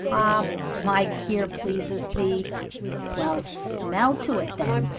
Ha, my cure pleases thee? Well, smell to it, then.